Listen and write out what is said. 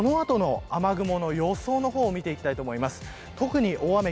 ではこの後の雨雲の予想の方を見ていきたいと思います。